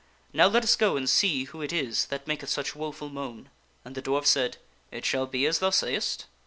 Now let us go and see who it is that maketh such woful moan." And the dwarf said, " It shall be as thou sayest."